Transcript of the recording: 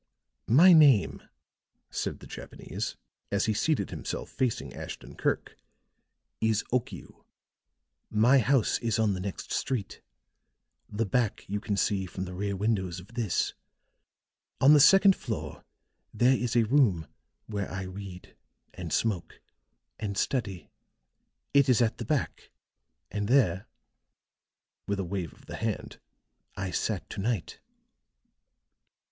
"My name," said the Japanese, as he seated himself facing Ashton Kirk, "is Okiu. My house is on the next street; the back you can see from the rear windows of this. On the second floor there is a room where I read and smoke and study. It is at the back, and there," with a wave of the hand, "I sat to night."